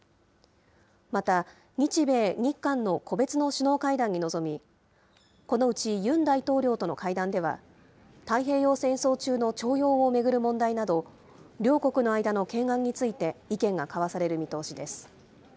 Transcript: また、日米、日韓の個別の首脳会談に臨み、このうちユン大統領との会談では、太平洋戦争中の徴用を巡る問題など、両国の間の懸案について意見が交わされる見通しです。